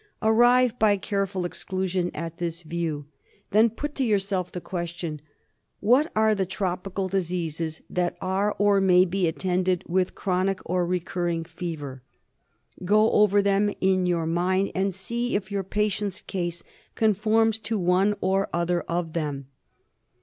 Arrive by careful exclusion at this view. Then put to yourself the question, '* What are the tropical diseases that are or may be attended with chronic or recurring fever ?" Go over them in your mind and see if your patient's case conforms to one or other of them.